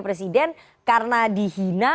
presiden karena dihina